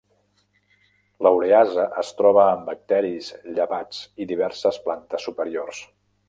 La ureasa es troba en bacteris, llevats, i diverses plantes superiors.